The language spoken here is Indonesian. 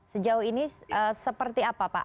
sejauh ini seperti apa pak